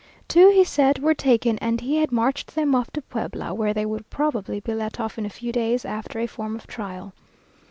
Two he said were taken, and he had marched them off to Puebla, where they will probably be let off in a few days, after a form of trial.